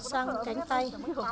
bà là người